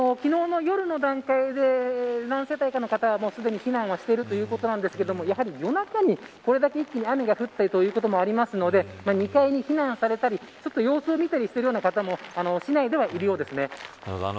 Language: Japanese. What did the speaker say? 昨日の夜の段階で何世帯かの方はすでに避難しているということですがやはり夜中に、これだけ一気に雨が降ったりということもあるので２階に避難されたりちょっと様子を見たりしているような方も市内ではいるようです。